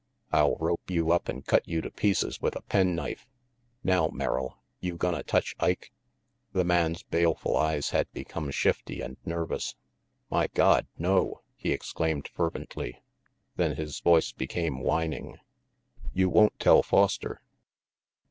I'll rope you up and cut you to pieces with a pen knife. Now, Merrill, you gonna touch Ike?" The man's baleful eyes had become shifty and nervous. "My God, no!" he exclaimed fervently; then his voice became whining, "You won't tell Foster?"